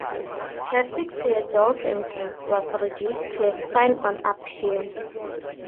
Her six-year jail sentence was reduced to a fine on appeal.